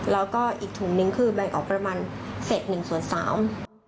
แล้วก็อีกถุงนึงคือแบ่งออกประมาณเศษหนึ่งส่วนสาม